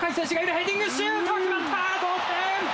ヘディングシュート、決まった。